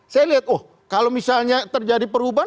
saya lihat oh kalau misalnya terjadi perubahan